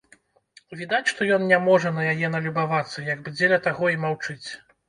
Відаць, што ён не можа на яе налюбавацца, як бы дзеля таго і маўчыць.